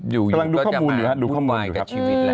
อยู่อยู่ก็จะมาบุควายกับชีวิตแหละ